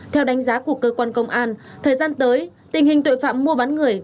theo đánh giá của cơ quan công an thời gian tới tình hình tội phạm mua bán người